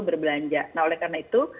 berbelanja nah oleh karena itu